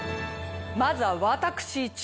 まずは私壱